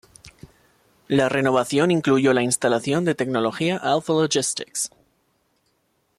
La renovación incluyó la instalación de tecnología Alpha Logistics.